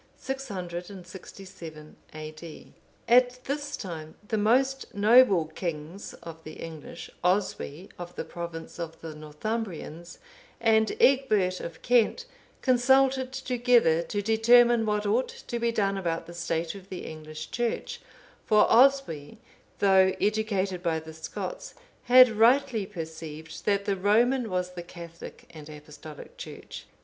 [667 A.D.] At this time the most noble kings of the English, Oswy, of the province of the Northumbrians, and Egbert of Kent, consulted together to determine what ought to be done about the state of the English Church, for Oswy, though educated by the Scots, had rightly perceived that the Roman was the Catholic and Apostolic Church.